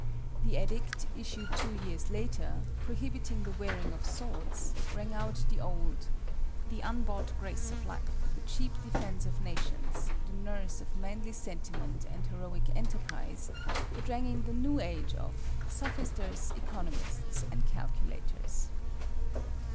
The edict, issued two years later, prohibiting the wearing of swords, rang out the old, "the unbought grace of life, the cheap defence of nations, the nurse of manly sentiment and heroic enterprise," it rang in the new age of "sophisters, economists, and calculators."